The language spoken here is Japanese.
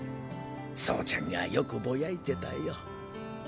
走ちゃんがよくボヤいてたよ。